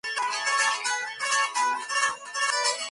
Para adelante fue protagonista de telenovelas de corta duración.